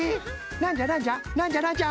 なんじゃなんじゃ？